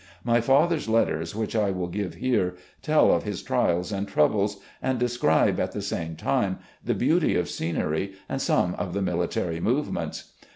My father's letters, which I will give here, tell of his trials and troubles, and describe at the same time the beauty of scenery and some of the military movements.